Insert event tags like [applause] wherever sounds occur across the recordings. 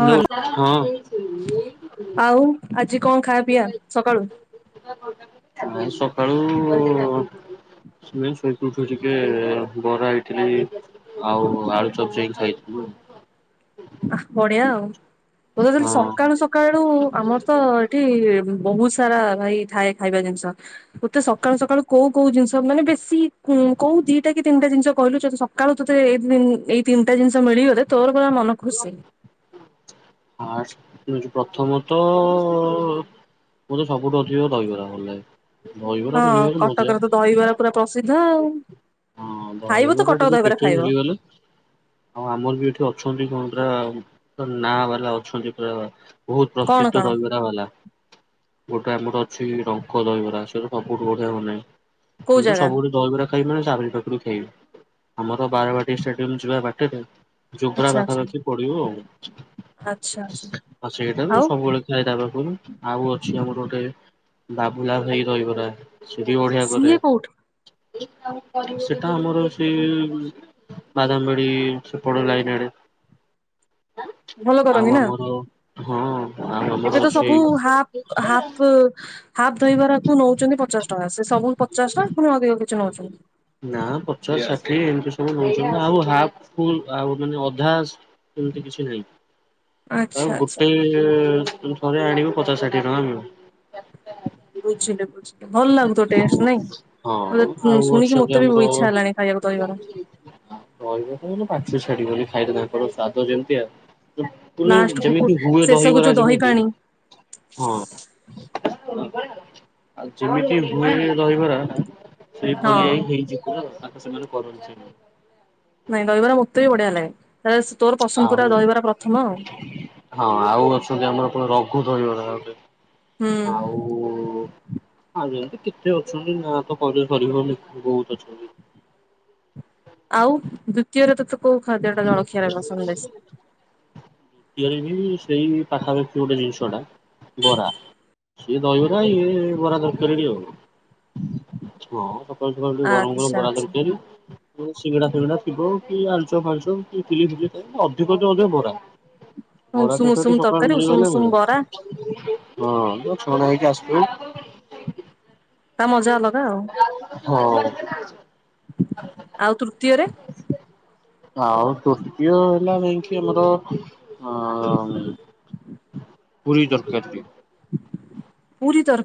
ହଁ ହାଲୋ ହଁ। ଆଉ ଆଜି କଣ ଖାଇବା ପିଇବା ସକାଳୁ। ନାଇଁ ସ ସକାଳୁ ଶୋଇ ଶୋଇକି ଉଠୁଛି ଟିକେ ବରା ଇଟିଲି ଆଉ ଆଳୁ ଚପ୍ ଯାଇକି ଖାଇଥିଲୁ ଆଉ। ଆଃ ବଢିଆ ଆଉ। କହୁଥିଲି ହଁ ସକାଳୁ ସକାଳୁ ଆମର ତ ଏଠି ବହୁତ ସାରା ଭାଇ ଥାଏ ଖାଇବା ଜିନିଷ ତତେ ସକାଳୁ ସକାଳୁ କୋଉ କୋଉ ଜିନିଷ ମାନେ ବେଶୀ କୋଉ ଦିଟା କି ତିନିଟା ଜିନିଷ କହିଲୁ ଯୋଉଟା ସକାଳୁ ତୋତେ ଏଇ ଏଇ ତିନିଟା ଜିନିଷ ମିଳିଗଲେ ତୋର ପୁରା ମ ଖୁସି। ଆଜି ହଉଛି ପ୍ରଥମତ ମୋତେ ସବୁଠୁ ଅଧିକ ଦହିବରା ଭଲ ଲାଗେ। ଦହିବରା ହଁ ମିଳିବାର ମଜା କଟକରେ ତ ଦହିବାର ପୁରା ପ୍ରସିଦ୍ଧ। ଦ୍ଧ ଆଉ। ହଁ ଖାଇବ ତ ଦହିବରା କଟକ ଟିକେ ଦହିବରା ପେଟେ ଖାଇବ। ମିଳିଗଲେ ଆଉ ଆମର ବି ଏଠି ଅଛନ୍ତି କଣ ପୁରା ଆଉ ନା ବାଲା ଅଛନ୍ତି ପୁରା ବହୁତ କଣ ପ୍ରସିଦ୍ଧ କଣ ଦହିବରା ବାଲା। ଗୋଟେ ଆମର ଅଛି ରଙ୍କ ଦହିବରା ସେଇଟା ସବୁଠୁ ବଢିଆ ବନାଏ। କୋଉ ତୁ ତ ଜାଗା ସବୁବେଳେ ଦହିବରା ଖା ଖାଇବୁ ମା ତାରି ପାଖରୁ ଖାଇବେ ଆମର ବାରବାଟୀ ଷ୍ଟାଡିୟମ୍ ଯିବା ବାଟରେ ଜୋବ୍ରା ଆଚ୍ଛା ପାଖା ଆଚ୍ଛା ପାଖି ପଡିବ ଆଉ ଆଚ୍ଛା ଆଚ୍ଛା ଆଉ ସେଇଠାରୁ ବି ଆଉ ସବୁ ବେଳେ ଖାଏ ତା ପାଖରୁ ଆଉ ଅଛି ଆମର ଗୋଟେ ବାବୁଲା ଭାଇ ଦହିବରା। ସିଠି ବଢିଆ କରେ। ସିଏ କୋଉଠି [unintelligible] ସେଟା ଆମର ଅଛି ବାଦାମବାଡି ସେପଟ ଲାଇନ୍ ଆଡେ। ଭଲ କରନ୍ତିି ନା? ହୁଁ। ଏବେ ତ ସବୁ ହାପ ହାପ ହାଫ ଦହିବରାକୁ ନଉଚନ୍ତି ପଚାଶଟଙ୍କା ସେ ସବୁ ପଚାଶଟଙ୍କା ପୁଣି ଅଧିକ କିଛି ନା ନଉଚନ୍ତି। ପଚାଶ ଷାଠିଏ ଏମିତି ସବୁ ନଉଛନ୍ତି ଆଉ ହାପ ଫୁଲ ଆଉ ମାନେ ଅଧା ଏମିତି କିଛି ନାହିଁ। ଆଚ୍ଛା ଆଉ ଆଚ୍ଛା। ଗୋଟେ ଥରେ ଆଣିବୁ ପଚାଶ ଷାଠିଏ ଟଙ୍କା ନବ। ବୁଝିଲି ବୁଝିଲି ଭଲ ଲାଗୁଥବ ଟେଷ୍ଟ ନାଇଁ ଆଉ ହଁ ମତେ ଆଉ ଶୁଣିକି ଅଛନ୍ତି ମତେ ବି ଆମର ଇଚ୍ଛା ହେଲାଣି ଖାଇ ବାକୁ ଦହିବରା। ରହିବ ମାନେ ପାଟିରୁ ଛାଡିବନି ଖାଇଦବ [unintelligible] ସାଦ ଯେମିତିଆ। ତୁମେ ଲାଷ୍ଟକୁ ଯେମିତି ହୁଏ ଶେଷକୁ ଦହିବରା ଯୋଉ ଦହି ଯେମିତି ପାଣି ହଁ। ଆଉ ଯେମିତି ହୁଏ। ଦହିବରା ଟା ସେ ହଁ ଭଳିଆ ହିଁ ହେଇଚି ପୁରା। ସେମାନେ କରନଛି। ନାଇଁ ଦହିବରା ମୋତେ ବି ବଢ଼ିଆ ଲାଗେ। ବାସ ତୋର ପସନ୍ଦ ଆଉ ପୁରା ଦହିବରା ପ୍ରଥମ ଆଉ। ହଁ ଆଉ ଅଛନ୍ତି ଆମର କଣ ରଘୁ ଦହିବରା ଗୋଟେ। ହୁଁ ଆଉ ଆଉ ଯେମତି କେତେ ଅଛନ୍ତି ନା। [unintelligible] ଆଉ ଦୁତୀୟରେ ତ ତୁ କୋଉ ଖାଦ୍ୟଟା ଜଳଖିଆରେ ପସନ୍ଦ ବେଶୀ? ଇଆଡେ ବି ସେଇ ପାଖାପାଖି ଗୋଟେ ଜିନିଷଟା ବରା। ସିଏ ଦହିବରା ଇଏ ବରା ତରକାରୀ ଟି ଆଉ ଙଅ ସ ସମସ୍ତେ କଣ ଟିକେ ଗରମ ଗରମ ଆଚ୍ଛା ବରା ଆଚ୍ଛା ତରକାରୀ ଏ ସିଙ୍ଗଡା ଫିଙ୍ଗଡା ଥିବ କି ଆ ଆଳୁଚପ୍ ଫାଳୁଚପ୍ [unintelligible] ଅଧିକତ ମତେ ବରା। ବରା ଉଷୁମ ତରକାରୀ ଉଷୁମ ଟିକେ ସକାଳୁ ଉଷୁମ ମିଳିଗଲେ ନା ଉଷୁମ ବରା ମିଳି [unintelligible] ହଁ। ଛଣା ହେଇକି ଆସୁଥିବ। ତା ମଜା ଅଲଗା ଆଉ। ହୋଉ। ଆଉ ତୃତୀୟରେ? ଆଉ ତୃତୀୟ ହେଲା ନାଇଁକି ଆମର ଅ ପୁରୀ ରକାରୀ ଟାକେ। ପୁରୀ ତର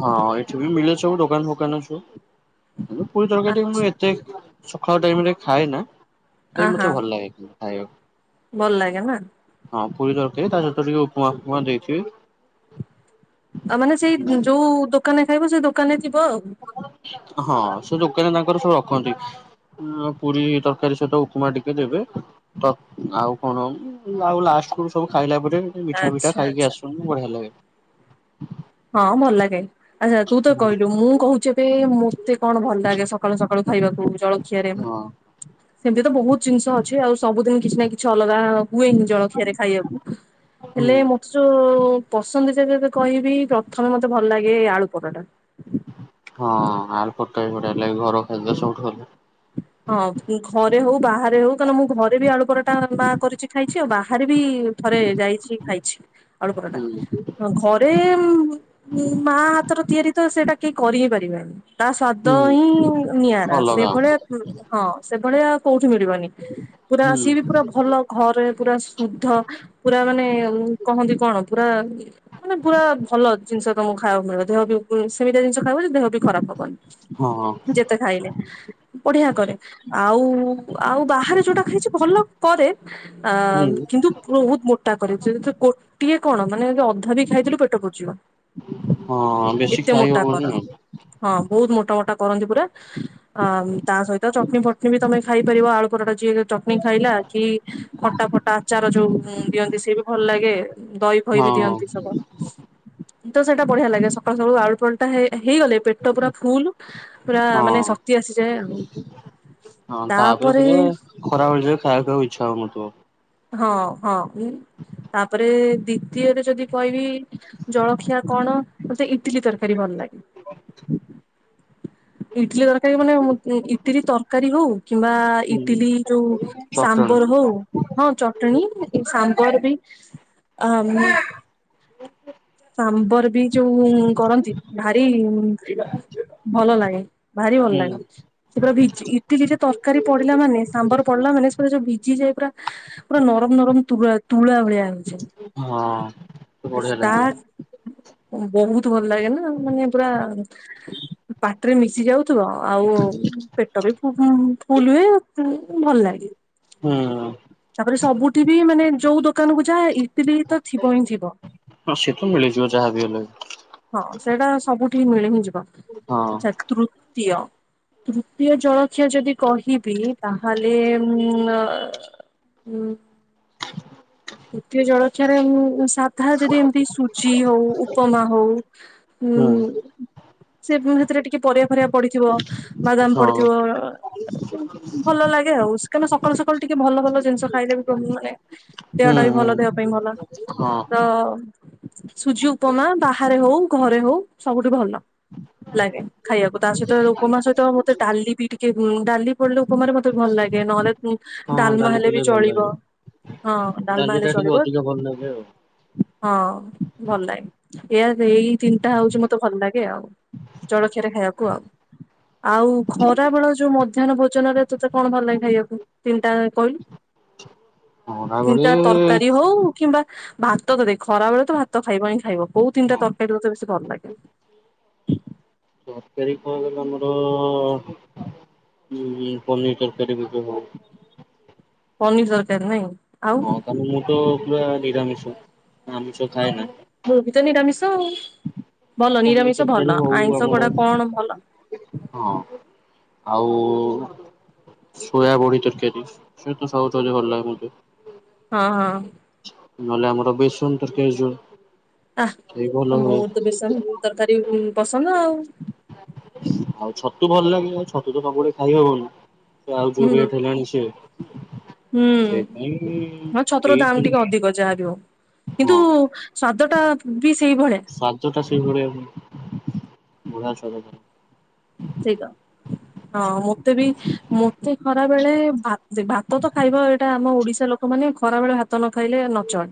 ହଁ ଏଠି ବି ମିଲୁଛି। ସବୁ ଦୋକାନ ଫୋକାନ ଅଛୁ। ପୁରୀ ତରକାରି ମୁଁ ଆଚ୍ଛା ଏତେ ସଖାଳ [unintelligible] ଖାଇନ। ଆ ସେଇ ହା ମତେ ଭଲ ଲାଗେ କି ଆଉ ଭଲ ଲାଗେନା? ହଁ ପୁରୀ ତରକାରୀ ତା ସହିତ ଟିକେ ଉପମା ଫୁପମା ଦେଇଥିବେ। ସେ ଯଉ କାନେ ଖାଇବ ସେ ଦୋକାନରେ ଯିବ ଆଉ ହଁ ସେ ଦୋକାନ ତାଙ୍କର ସବୁ ରଖନ୍ତି ପୁରୀ ତରକାରୀ ସହିତ ଉପମା ଟିକେ ଦେବେ ଆଉ କଣ ଆଉ ଲାଷ୍ଟକୁ ସବୁ ଖାଇଲା ପରେ ମିଠା ମିଠା ଆଚ୍ଛା ଖାଇକି ଆଚ୍ଛା। ଆସୁ ବଢିଆ ଲାଗେ। ହୁଁ। ହଁ ଭଲ ଲାଗେ ଆଚ୍ଛା ତୁ ତ କହିଲୁ ମୁଁ କହୁଛେ ଏବେ ମତେ କଣ ଭଲ ଲାଗେ ସକାଳୁ ସକାଳୁ ଖାଇବାକୁ ଜଳଖିଆରେ ହଁ ସେମିତି ତ ବହୁତ ଜିନିଷ ଅଛି ଆଉ ସବୁଦିନ କିଛି ନା କିଛି ଅଛି ଲଗା ହୁଏନି ଜଳଖିଆରେ ଖାଇବାକୁ ହୁଁ ହେଲେ ମତେ ଯୁ ପସନ୍ଦ ନ୍ତି ସେ ଯେବେ କହିବି। ପ୍ରଥମେ ମତେ ଭଲ ଲାଗେ ଏଇ ଆଳୁ ପରଟା ହଁ ଆଲୁପରଟା ବି ବଢିଆ ଲାଗେ ଘର ଖାଦ୍ୟ ସବଠୁ ଭଲ ହଁ ଘରେ ହଉ ବାହାରେ ହଉ କାରନ ମୁଁ ଘରେ ବି ଆଳୁ ପରାଟା କରିଛି ଖାଇଛି ଆଉ ବାହାରେ ବି ବି ଥରେ ଯାଇଛି ଖାଇଛି ଆଳୁପରଟା ହୁଁ ଘରେ ମା ହାତର ତିଆରି ତ ସେଇଟା କେହି କରି ହି ପାରିବେନି। ତା ସ୍ଵାଦ ହୁଁ ହିଁ ନିଆରା ଅଲଗା ସେଇଭଳିଆ ହଁ ସେ ଭଳିଆ ଆଉ କୋଉ ମିଳିବନି ପୁରା ହୁଁ ସିଏ ବି ପୁରା ଭଲ ଘରେ ପୁରା ଶୁଦ୍ଧ ପୁରା ମାନେ କହନ୍ତି କଣ? ପୁରା ମାନେ ପୁରା ଭଲ ଜିନିଷ ତମକୁ ଖାଇବାକୁ ମିଳିବ ଦେହ ବି ସେମିତି ଜିନିଷ ଖାଇବ ଦେହ ଖରାପ ହବନି ହଁ ଯେତେ ଖାଇଲେ ବଢିଆ କରେ ଆଉ ଆଉ ବାହାରେ ଯୋଉଟା ଖାଇଛି ଭଲ କରେ ହୁଁ କିନ୍ତୁ ବହୁତ ମୋଟା କରେ ଗୋଟିଏ କଣ? ମାନେ ଅଧା ବି ଖାଇଥିଲୁ ପେଟ ପୁରିଯିବ ହଁ ବେଶୀ ଏତେ ଖାଇ ମୋଟା ହବନି ଆଉ କରନି ହଁ। ବହୁତ ମୋଟା ମୋଟା କରନ୍ତି ପୁରା ଆଁ ମ ସହିତ ଚଟନୀ ଫଟନି ବି ତମେ ଖାଇପାରିବ ଆଳୁ ପରଟା ଯିଏ ଚଟଣି ଖାଇଲା କି ଖଟା ଫଟା ଆଚାର ଯୋଉ ଦିଅନ୍ତି ସିଏ ବି ଭଲ ଲାଗେ। ଦହି ଫହି ବି ହଁ ଦିଅନ୍ତି ସବୁ। ତ ସେଟା ବଢିଆ ଲାଗେ ସକାଳୁ ସକାଳୁ ଆଳୁପରଟା ହେ ହେଇଗଲେ ପେଟ ପୁରା ଫୁଲ ପୁରା ମାନେ ହଁ ଶକ୍ତି ଆସିଯାଏ ଆଉ। ହଁ ତାପରେ ପୁରା ଖରା। ଖରାବେଳେ ଖାଇବାକୁ ଆଉ ଇଚ୍ଛା ହଉନଥିବ। ହଁ ହଁ ତାପରେ ଦ୍ଵିତୀୟରେ ଯଦି କହିବି ଜଳଖିଆ କଣ ମତେ ଇଟିଲି ତରକାରୀ ଭଲ ଲାଗେ। ହ ଇଟିଲ ତର। କାରୀ ମାନେ ଇଟିଲି ତର କାରି ହଉ। କିମ୍ବା ହୁଁ ଇଟିଲି ଯୋଉ ସାମ୍ବର ଚଟଣି ହଉ। ଚଟଣି ଏ ସାମ୍ବର ବି ଆ ସାମ୍ବର ବି ଯୋଉ କରନ୍ତି ଭାରି ଭଲ ଲାଗେ। ଭାରି ଭଲ ଲାଗେ ସେ ପୁରା ଭି ଇଟିଲିରେ ତରକାରୀ ପଡିଲା ମାନେ ସାମ୍ବର ପଡିଲା ମାନେ ଯୋଉ ଭିଜି ଯାଏ ପୁରା। ପୁରା ନରମ ନରମ ତୁଳା ତୁଳା ଭଳିଆ ହେଇଯାଏ। ହଁ ବଢିଆ ଲାଗିବ। ତା ବହୁତ ଭଲ ଲାଗେ ନା ମାନେ ପୁରା ପାଟରେ ମିଶି ଯାଉ। ମିଶିଯାଉ ଥିବ ଆଉ ପେଟ ବି। ଫୁଲ ହୁଏ ଭଲ ଲାଗେ। ହୁଁ। ତାପରେ ସବୁଠି ବି ମାନେ ଯୋଉ ଦୋକାନ କୁ ଯା ଇଟିଲି ତ ଥିବ ହିଁ ଥିବ। ହଁ ସେଠୁ ମିଳିଯିବ ଯାହାବି ହେଲେ। ହଁ ସେଇଟା ସବୁଠି ମିଳି ହିଁ ଯିବ। ହଁ ଆଛା ତୃ। ତୃତୀୟ ତୃତୀୟ ଜଳଖିଆ ଯଦି କହିବି ତାହେଲେ ଉଁ ଆ। ହୁଁ। ତୃତୀୟ ଜଳ ଖିଆରେ ଉଁ। ସାଧା ଯଦି ଏମତି ସୁଜି ହଉ ଉପମା ହଉ ହୁଁ ଉଁ। ସେ ଫୁଡ୍ ଭିତରେ ଟିକେ ପରିବା ଫରିବା ପଡିଥିବ। ବାଦାମ ହୁଁ। ପଡିଥିବ ଭଲ ଲାଗେ ଆଉ ସେ କାଇନା ସକାଳୁ ସକାଳୁ ଟିକେ ଭଲ ଭଲ ଜି ଜିନିଷ ଖାଇଲେ ବି କଣ ମାନେ। ଦେହଟା ବି ଭଲ ଦେହ ପାଇଁ ଭଲ ହଁ ତ ସୁଜି ଉପମା ବାହାରେ ହଉ ଘରେ ହଉ ସବୁଠି ଭଲ। ଲାଗେ ଖାଇବାକୁ ତା ସହିତ ଉପମା ସହିତ ମତେ ଡାଲି ବି ଟିକେ ଡାଲି ପଡିଲେ ଉପମାାରେ ମତେ ଭଲ ଲାଗେ ନହେଲେ ହଁ ଡାଲମା ଡାଲି ହେଲେ। କଲେ ଭଲ ଚଳିବ ଲାଗେ ହଁ ଡ଼ାଲମା ଡାଲି ରେ ଟା ଟିକେ ଚଳିବ ଅଧିକ ଭଲ ଲାଗେ ଆଉ। ହଁ ଭଲ ଲାଗେ। ପିଆଜ ଏଇ ତିନିଟା ହଉଛି ମତେ ଭଲ ଲାଗେ ଆଉ ଜଳଖିଆରେ ଖାଇବାକୁ ଆଉ ଆଉ ଖରାବେଳ ଯୋଉ ମଧାନ ଭୋଜନରେ ତୁତ କଣ ଭଲ ଲାଗେ ଖାଇବାକୁ ତିନିଟା କହି ଅଣ୍ଡା ଭଳି ତିନିଟା ତରକାରୀ ହଉ କି କିମ୍ବା ଭାତ କ ଦେ ଖରା ବେଳେ ତ ଭାତ ଖାଇବ ହିଁ ଖାଇବ। କୋଉ ତିନିଟା ହଁ ତରକାରୀ ତତେ ବେଶୀ ଭଲ ଲାଗେ। ତରକାରୀ କ ଓ ହୁଁ ପନିର ତରକାରୀ ବି ବୋହୁତୁ ପନିର୍ ତରକାରୀ ନାଇଁ। ଆଉ ହଁ ତମେ ମୁଁ ତ ପୁରା ନିରାମିଷା ହଁ ମୁଁ ବିତ ନିରାମିଷ। [unintelligible] ଭଲ ପନିର ନିରାମିଷ ତରକାରୀ ଭଲ ହଉ ଆଇଁଷ ଆମର ଗଢ଼ା କଣ ଭଲ? ହଁ ଆଉ ସୋୟା ବଡ଼ି ତରକାରୀ ସେ ତ ସବୁବେଳେ ଭଲ ଲାଗେ ମୋତେ। ହଁ ହଁ। ନହଲେ ଆମର ବେସନ ତରକାରୀ ଜୋଉ ଆ ମୋର ତ ବେସନ ତରକାରୀ ପସନ୍ଦ ଆଉ। ତୁ ଭଲ ଲାଗେ ଆଉ ଛତୁ ତ ସବୁବେଳେ ଖାଇ ହବକି। ଆଉ ଯୋଉ ହୁଁ ରେଟ। [unintelligible] [inaudible] ହୁଁ ମ ଛତୁ ର ଦାମ୍ ଏଇ ଟିକେ ଅଧିକ ଯାହା ବିି ହଉ କିନ୍ତୁ ସ୍ୟାଦଟା ସାଞ୍ଚଟା ସେହିଭଳିଆ ହୁ। ବୁଳା ଛତାଧର। ସେହିତ ହଁ ମତେ ବି ମତେ ଖରା ବେଳେ ଭାତ୍ ସେ ଭାତ ତ ଖାଇବ ଏଟା ଆମ ଓଡ଼ିଶା। ଲୋକମାନେ ଖରାବେଳେ ହାତ୍ ଭାତନ ଖାଇଲେ ନଚଡ଼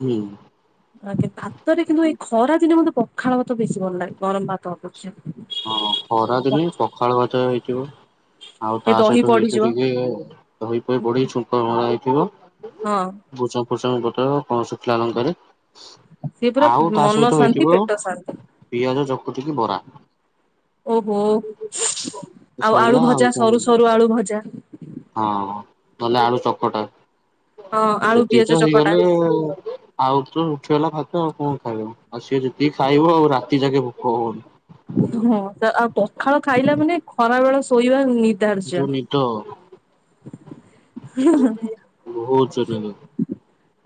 ହୁଁ। ଆଗେ ଭାତରେ କିନ୍ତୁ ଏଇ ଖରା ଦିନେ ମୋତେ ପ ପଖାଳ ମତେ ବେଶୀ ଭଲ ଲାଗେ ଗରମ୍ ଭାତ ଆପଜିତ୍ ହଁ ଖରା ଦିନେ ପଖାଳ ଭଜା ହେଇଥିବ ଆଉ ଏ ତା ଦହି ସହିତ ହେଇଥି ପଡିଯିବ ଟିକେ ଦହି ଫଇ ପଡି ଛୁଙ୍କ ମରା ହେଇ ଥିବ ହଁ। ଭୁଷଣ ପତର କଣ ଶୁଖିଲା ଲଙ୍କାରେ ସେ ପୁରା ଆଉ ତା ମନ ସହିତ ଶାନ୍ତି ହେଇଥିବ ପେଟ ଶାନ୍ତି ପିଆଜ ଚକୁଟିକି ବରା। ଓହୋ ଆଉ ସଇଲା ଆଳୁ ଭଜା କଣ ସରୁ ସରୁ ଆଳୁ ଭଜା। ଗଲା ଆଳୁ ଚକଟା। ହଁ [unintelligible] ଆଳୁ ପିଆଜ ସେତିକତ ଚକଟା ହେଇଗଲେ ଆଉ ତ ଉଠିଗଲା ଭାତ ଆଉ କଣ ଖାଇବ। ଆଉ ସେ ଯେତିକି ଖାଇବ ଆଉ ରାତି ଯାକେ ଭୋକ ହବନି। ହଁ ଆଉ ସେ ପଖାଳ ଖାଇଲା ମାନେ ଖରା ବେଳ ସ ଶୋଇବା ନି ଧାର୍ଯ୍ୟ ଯୋଉ ନିଦ ହୁଁ ହୁଁ ହୁଁ ବହୁତ ଜୋରେ ନିଦ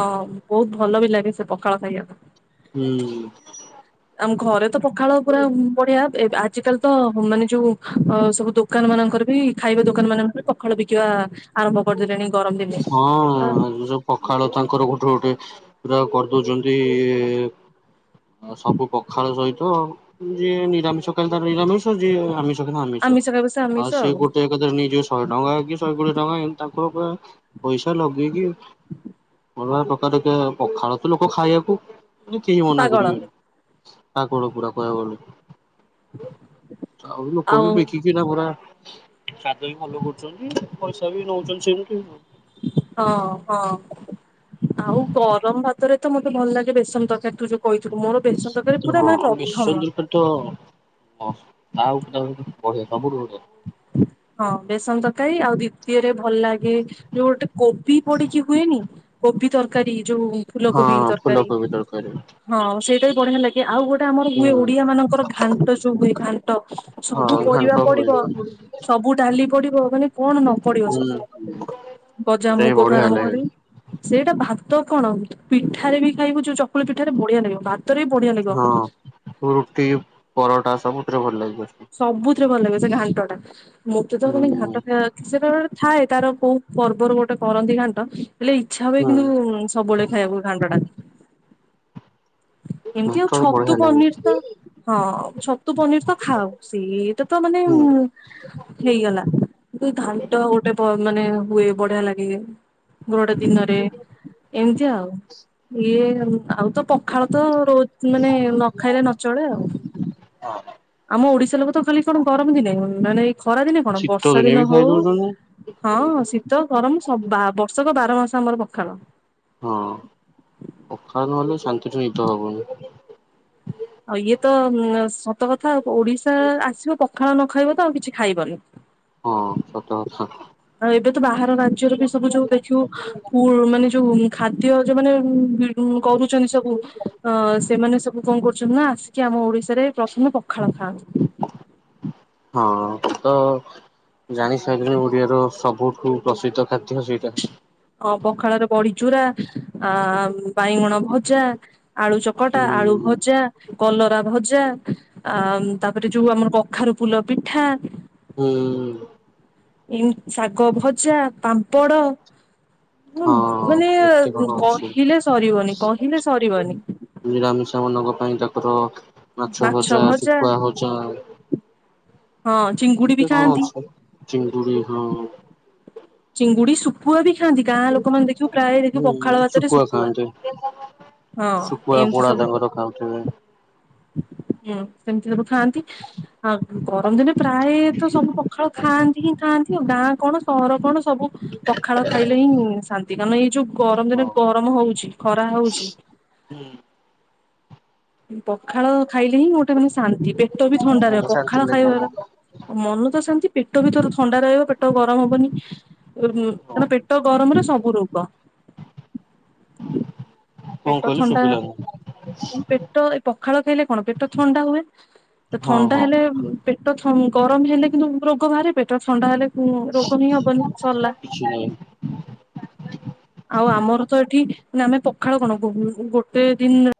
ହଁ ବହୁତ୍ ଭଲ ବି ଲାଗେ ସେ ପଖାଳ ଖାଇବାକୁ। ହୁଁ। ଆମ ଘରେ ତ ପଖାଳ ପୁରା ହୁମ୍ ବଢ଼ିଆ ଏବ୍ ଆଜିକାଲି ତ ହୁମ୍ ମାନେ ଯୋଉ ଅ ସବୁ ଦୋକାନ ମାନଙ୍କରେ ବି ଖାଇବା ଦୋକାନ ମାନଙ୍କରେ ପଖାଳ ବିକିବା ଆ ଆରମ୍ଭ ପଡିଲେଣି ହଁ ଯୋଉ ପଖାଳ ତାଙ୍କର ଗୋଟ କୋଉଠି ପୁରା କରିଦଉଛନ୍ତି ଇଇ ଆଉ ସବୁ ପଖାଳ ସହିତ ହଁ ଯିଏ ନିରାମିଷ ଖାଇତ ନିରାମିଷ ଯେ ଆମିଷ କୋଉ ଦିନ ଆମିଷ ଖାଇବ ସେ ଆଉ ଆମିଷ ସେଏ ଗୋଟେ ଏକଥାରେ ନେଇଯିବ ଶହେ ଟଙ୍କା କି ଶହେ କୋଡିଏ ନାଇ ତାଙ୍କ ଉପରେ ପଇସା ଲଗେଇକି ଭଲ [unintelligible] ପଖାଳ ତ ଲୋକ ଖାଇବାକୁ। କିନ୍ତୁ କେହି ମନା ପାଗଳ କରିବେନି। ପାଗଳ ପୁରା କହିବାକୁ ଗଲେ। ଆଉ ଲୋକବି ଦେଖିକିିନା ପୁରା ସ୍ୱାଦ ବି ଭଲ କରୁଛନ୍ତି ପଇସା ବି ନଉଛନ୍ତି ସେମିତି। ହଁ ହଁ। ତୋର ଏତେ ମତେ ଭଲ ଲାଗେ ବେସନତରକାରୀ ତୁ ଯୋଉ କହିଥିଲୁ ମୋର ବେସନ୍ତକାରୀ ପୁରା ଆଉ। ମାନେ ଆଉ ପ୍ରଥମ ନିଶ୍ଚନ୍ଦ୍ର ଆଉ [inaudible] ବଢ଼ିଆ ହଁ ବେସନ ତରକାରୀ ଆଉ ଦ୍ୱିତୀୟ ଭଲ ଲାଗେ ଯୋଉ ଗୋଟେ କୋବି ପଡିକି ହୁଏନି କୋବି ତରକାରୀ ଯୋଉ ଫୁଲ କୋବି ହଁ ତରକାରୀ ଫୁଲକୋବି ତରକାରୀ ହଁ ସେଇଟା କଣ ହେଲା କି ଆଉ ଗୋ ଟ ଆମର ହୁଁ ହୁଏ ଓଡିଆମାନଙ୍କର ଘାଣ୍ଟ ଯୋଉ ହୁଏ, ଘାଣ୍ଟ ସବୁ ହଁ ଘାଣ୍ଟ ପରିବା କୋବି ପଡିବ। ସବୁ ଡାଲି ପଡିବ ମାନେ କଣ ନ ପଡିବ ହୁଁ। ସେଥିରେ, ସେଟା ଗଜା ବି ମୁଗଠୁ ବଢିଆ ଆରମ୍ଭ ଲାଗେ କରି ସେଇଟା ଭା ତ କଣ ପିଠାରେ ବି ଖାଇବୁ ଯୋଉ ଚକୁଳି ପିଠାରେ ବଢିଆ ଲାଗିବ। ଭାତରେ ବି ବଢିଆ ଲାଗିବ ହଁ ରୁଟି ପରଟା ସବୁଥିରେ ଭଲ ଲାଗେ। ସବୁ ଥିରେ ଭଲ ଲାଗେ ସେ ଘାଣ୍ଟଟା। ମୋତେ ତ ମାନେ ହୁଁ ଘାଣ୍ଟ ଖ ସେଟା ଗୋଟେ ଥାଏ ତାର କୋଉ ପର୍ବ ପର୍ବରେ ଗୋଟେ କରନ୍ତି ଘାଣ୍ଟ। ହେଲେ ଇଚ୍ଛା ହୁଏ ହୁଁ କିନ୍ତୁ ସବୁବେଳେ ଖାଇବାକୁ ଘାଣ୍ଟଟା। ଏମିତି ଆଉ ମଟର ଛତୁ ବଢିଆ ଲାଗେ ପନିର ତ ହଁ ଛତୁ ପନିର ତ ଖାଉ ସେଟା ତ ମାନେ ହୁଁ ହେଇଗଲା ଘାଣ୍ଟ ଗୋଟେ ମାନେ ହୁଏ, ବଢିଆ ଲାଗେ। ଗୋଟେ ଗୋଟେ ଦିନରେ ଏମିତି ଆଉ ଇଏ ଆଉ ତ ପ ଖାଳ ତ ର ମାନେ ନ ଖାଇଲେ ନଚଳେ ଆଉ। ହଁ। ଆମ ଓଡିଶା ଲୋକ ତ ଖାଲି କଣ ଗରମ ଦିନେ ନାହିଁ ନାଇଁ ଖରା ଦିନେ କଣ ଶୀତ ବର୍ଷା ଦିନେ ବି ଦିନ ହଉ ଖାଇ ଦଉଛନ୍ତି। ହଁ ଶୀତ ଗରମ ସ ବର୍ଷକ ବା ହଁ ସମସ୍ତ ଆମର ପଖାଳ। ହଁ, ପଖାଳ ନହଲେ ଶାନ୍ତି କି ନିିଦ ହବନି। ଆଉ ଇଏ ତ ସତ କଥା। ଓଡିଶା ଆସିବ ପଖାଳ ନ ଖାଇବ ତ ଆଉ କିଛି ଖାଇବନି। ହଁ ସତ କଥା। ଆଉ ଏବେ ତ ବାହ ରାଜ୍ୟରେ ବି ସବୁ ଯୋଉ ଦେଖିବୁ ମାନେ ଯୋଉ ଖାଦ୍ୟ ଯୋଉ ମାନେ ହୁଁ ହୁଁ। କରୁଛନ୍ତି ସବୁ ଅ ସେମାନେ ସବୁ କଣ କରୁ ନା ଆସିକି ଆମ ଓଡିଶାରେ ପ୍ରଥମେ ପଖାଳ ଖାଆ। ହଁ ତ ଜାଣି ସାରିଲେ ଓଡିଆର ସବୁ ବହୁତ ପ୍ରସିଦ୍ଧ ଖାଦ୍ୟ ସେଇଟା ହଁ ପଖାଳରେ ପଡିଚୁରା ଆ ବାଇଗୁଣ ଭଜା ଆଳୁ ଚକଟା, ଆଳୁ ହୁଁ ଭଜା, କଲରା ଭଜା ଆ ତାପରେ ଯୋଉ ଆମର କଖାରୁ ଫୁଲ ପିଠା ହୁଁ। ଏମତି ଶାଗ ଭଜା, ପାମ୍ପଡ ମାନେ ହଁ କେତେ କଣ ଅଛି। କହିଲେ ସରିବନି କହିଲେ ସରିବନି। ମାଛର ଭଜା, ଶୁଖୁଆ ଭଜା ହଁ ଚିଙ୍ଗୁଡି ବି କେତେ କଣ ଖାଆନ୍ତି। ଅଛି ଚିଙ୍ଗୁଡ଼ି ହ। ଚିଙ୍ଗୁଡ଼ି ସୁ ଖୁଆ ବି ଖାଆନ୍ତି ଗାଁ ଲୋକମାନୋନ ଦେଖିବେ ପ୍ରାୟ ଦେଖିବୁ ହୁଁ ପଖାଳ ଭାତରେ ଶୁଖୁଆ। ଖାଆନ୍ତି। ହଁ ଶୁଖୁଆ ଏମିତି ପୋଡା ସବୁ ତାଙ୍କର ଖାଉଥିବେ ହୁଁ। ସେମିତି ସବୁ ଖାଆନ୍ତି ଆଉ ଗରମ ଦିନେ ପ୍ରାୟତ ସବୁ ପଖାଳ ଖାଆନ୍ତି ହିଁ ଖାଆନ୍ତି ଆଉ ଗାଁ କଣ ସହର କଣ ସବୁ ପଖାଳ ଖାଇଲେ ହିଁ ଶାନ୍ତି। କାନ ଏଇ ଯୋଉ ଗରମ ଦିନେ ହଁ ଗରମ ହଉଛି ଖରା ହଉଛି। ପଖାଳ ଖାଇଲେ ହିଁ ଗୋଟେ ମାନେ ଶାନ୍ତି ପେଟ ବି ଥଣ୍ଡା ହଁ ରହିବ ଶାନ୍ତି ପଖାଳ ଖାଇବାର ଲାଗିବ। ମନ ତ ଶାନ୍ତି ପେଟ ବି ତୋର ଥଣ୍ଡା ରହିବ। ପେ ପେଟ ଗରମ ହବନି। ହଁ ପେଟ ଗରମରେ ସବୁ ରୋଗ କଣ ପେଟ କହିଲେ ଥଣ୍ଡା। ଶୁଭିଲାନି ପେଟ ଏ ପଖାଳ ଖାଇଲେ କଣ ପେଟ ଥଣ୍ଡା ହୁଏ ତ ହଁ ଥଣ୍ଡା ହଁ ହେଲେ ପେଟ ଗରମ ହେଲେ କିନ୍ତୁ ରୋଗ ବାହାରେ ପେଟ ଥଣ୍ଡା ହେଲେ ହୁଁ ରୋଗ ହିଁ ହବନି ସରିଲ କିଛି ନାହିଁ। ଆଉ ଆମର ତ ଏଠି ଆମେ ପଖାଳ କଣ କହୁ କେତେ ଦିନ?